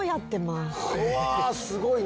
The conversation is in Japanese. すごいな！